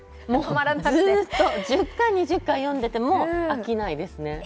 ずっと１０回、２０回読んでても飽きないです。